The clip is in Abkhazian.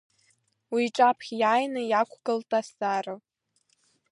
Уи иҿаԥхьа иааины иаақәгылт азҵаара…